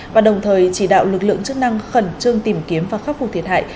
và đồng thời chỉ đạo lực lượng chức năng khẩn trương tìm kiếm và khắc phục thiệt hại